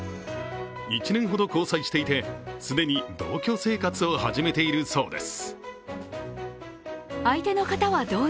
１年ほど交際していて、既に同居生活を始めているそうです。